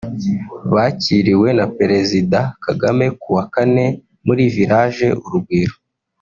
bakiriwe na Perezida Kagame kuwa Kane muri Village Urugwiro